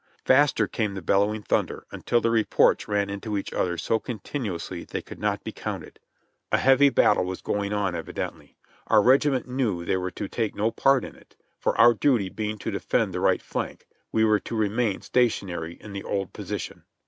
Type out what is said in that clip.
Faster came the bellowing thunder, until the reports ran into each other so continuously they could not be counted. A heavy BULL RUN . 63 battle was going on evidently; our regiment knew they were to talve no part in it, for our duty being to defend the right flank, we were to remain stationary in the old position.